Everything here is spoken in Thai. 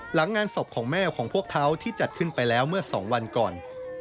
หลังงานศพของแม่ของพวกเขาที่จัดขึ้นไปแล้วเมื่อ๒วันก่อน